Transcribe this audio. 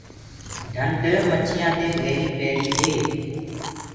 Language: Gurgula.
ڍنڊ مڇيآنٚ دي ڀيري پيڙي هي۔